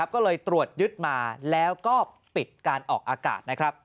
ก็เลยตรวจยึดมาแล้วก็ปิดการออกอากาศ